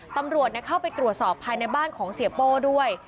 ตำรวจเข้าไปตรวจสอบภายในบ้านของเสียโป้ด้วย